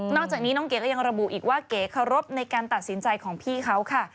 อกจากนี้น้องเก๋ก็ยังระบุอีกว่าเก๋เคารพในการตัดสินใจของพี่เขาค่ะ